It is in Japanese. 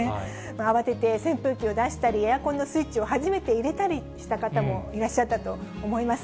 慌てて扇風機を出したり、エアコンのスイッチを初めて入れたりした方もいらっしゃったと思います。